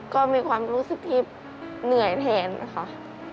ก็มีความรู้สึกที่เหนื่อยแทนนะคะ